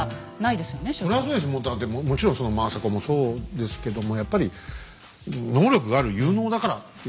だってもちろんその政子もそうですけどもやっぱり能力がある有能だからっていうことですよね。